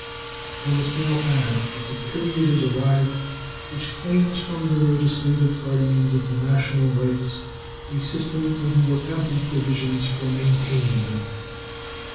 I must now add that the period is arrived which claims from the legislative guardians of the national rights a system of more ample provisions for maintaining them.